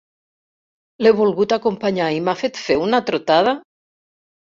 L'he volgut acompanyar, i m'ha fet fer una trotada!